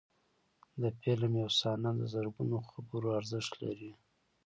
د فلم یو صحنه د زرګونو خبرو ارزښت لري.